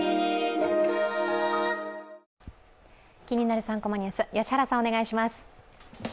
気になる３コマニュース、良原さんお願いします。